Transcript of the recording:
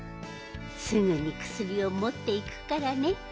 すぐにくすりをもっていくからね。